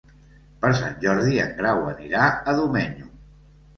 Per Sant Jordi en Grau anirà a Domenyo.